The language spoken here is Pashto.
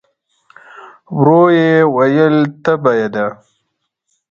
ورو يې وویل: تبه يې ده؟